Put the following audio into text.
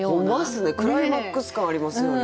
クライマックス感ありますよね。